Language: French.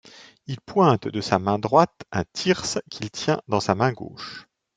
Il pointe de sa main droite un thyrse qu'il tient dans sa main gauche.